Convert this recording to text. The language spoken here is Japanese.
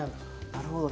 なるほど。